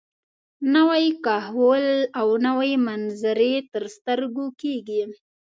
نوی کهول او نوې منظرې تر سترګو کېږي.